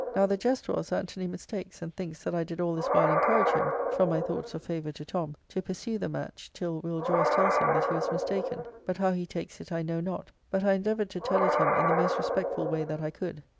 Now the jest was Anthony mistakes and thinks that I did all this while encourage him (from my thoughts of favour to Tom) to pursue the match till Will Joyce tells him that he was mistaken. But how he takes it I know not, but I endeavoured to tell it him in the most respectful way that I could.